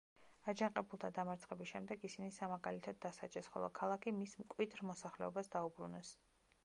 აჯანყებულთა დამარცხების შემდეგ, ისინი სამაგალითოდ დასაჯეს, ხოლო ქალაქი მის მკვიდრ მოსახლეობას დაუბრუნეს.